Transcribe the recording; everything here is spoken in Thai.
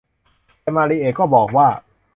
แต่มาริเอะก็บอกว่า